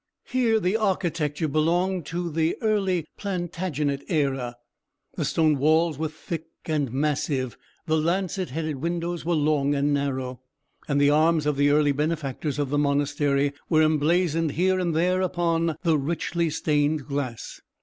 Here the architecture belonged to the early Plantagenet era; the stone walls were thick and massive, the lancet headed windows were long and narrow, and the arms of the early benefactors of the monastery were emblazoned here and there upon the richly stained glass.